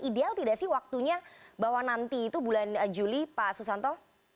ideal tidak sih waktunya bahwa nanti itu bulan juli pak susanto